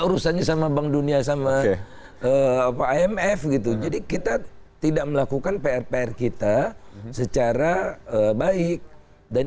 urusannya sama bank dunia sama apa imf gitu jadi kita tidak melakukan pr pr kita secara baik dan